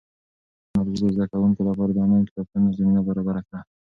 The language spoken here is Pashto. ټیکنالوژي د زده کوونکو لپاره د انلاین کتابتونونو زمینه برابره کړه.